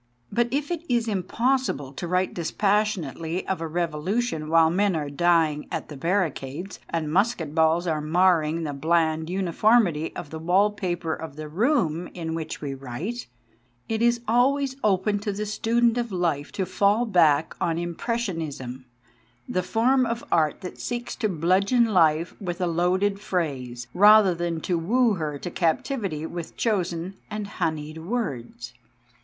But if it is impossible to write dis passionately of a revolution while men are dying at the barricades and musket balls are marring the bland uniformity of the wall paper of the room in which we write, it is always open to the student of life to fall back on impressionism, the form of art that seeks to bludgeon life with a loaded phrase, rather than to woo her to captivity with chosen and honied words.